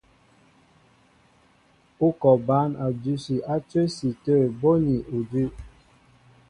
Ú kɔ bǎn a dʉsi á cə́si tə̂ bóni udʉ́.